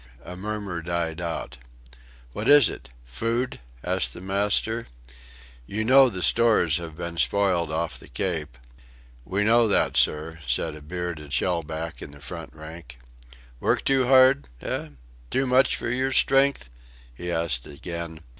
A murmur died out. "What is it food?" asked the master, "you know the stores have been spoiled off the Cape." "We know that, sir," said a bearded shell back in the front rank. "Work too hard eh? Too much for your strength?" he asked again.